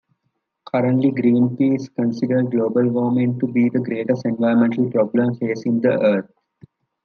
Currently Greenpeace considers global warming to be the greatest environmental problem facing the Earth.